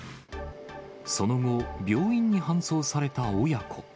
その後、病院に搬送された親子。